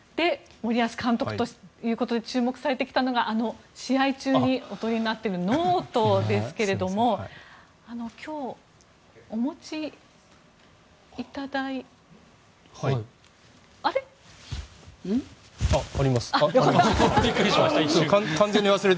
森保監督ということで注目されてきたのがあの試合中にお取りになっているノートですけども今日、お持ちいただいて？